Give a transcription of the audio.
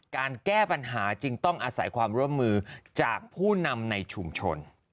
การแก้ปัญหาจึงต้องอาศัยความร่วมมือจากผู้นำในชุมชน